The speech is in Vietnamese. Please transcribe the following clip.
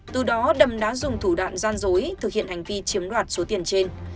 từ đó đầm đã dùng thủ đoạn gian dối thực hiện hành vi chiếm đoạt số tiền trên